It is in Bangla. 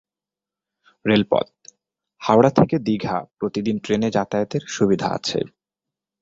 রেলপথ: হাওড়া থেকে দীঘা প্রতিদিন ট্রেনে যাতায়াতের সুবিধা আছে।